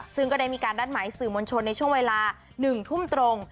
ซึ่งก็ได้มีการนัดหมายสื่อมวลชนในช่วงเวลา๑ทุ่มตรง